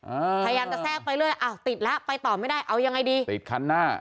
พยายามจะแทรกไปเรื่อยอ้าวติดแล้วไปต่อไม่ได้เอายังไงดีติดคันหน้า